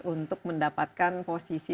untuk mendapatkan posisi